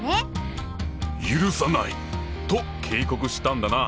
「許さない！」と警告したんだな。